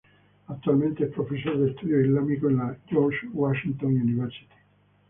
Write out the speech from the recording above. Actualmente es profesor de Estudios Islámicos en la George Washington University.